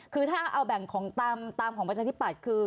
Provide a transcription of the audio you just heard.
คือถ้าเอาแบ่งตามของประจำที่ปัดคือ